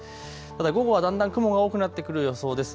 ただ午後はだんだん雲が多くなってくる予想です。